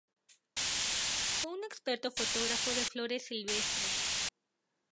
Fue un experto fotógrafo de flores silvestres.